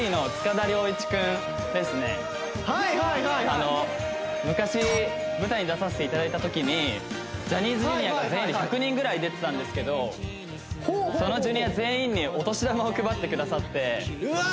僕ははいはいはいはい昔舞台に出させていただいたときにジャニーズＪｒ．が全員で１００人ぐらい出てたんですけどそのＪｒ．全員にお年玉を配ってくださってうわ